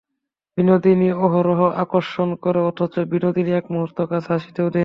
বিনোদিনী অহরহ আকর্ষণও করে, অথচ বিনোদিনী এক মুহূর্ত কাছে আসিতেও দেয় না।